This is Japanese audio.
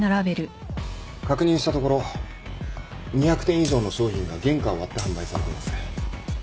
確認したところ２００点以上の商品が原価を割って販売されています。